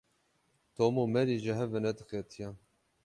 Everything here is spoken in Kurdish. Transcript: Tom û Mary ji hev venediqetiyan.